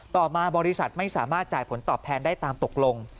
ต่อมาบริษัทไม่สามารถจ่ายผลตอบแทนได้ตามตกลง